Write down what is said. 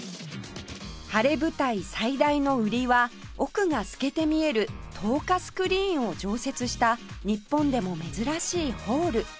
ハレヴタイ最大の売りは奥が透けて見える透過スクリーンを常設した日本でも珍しいホール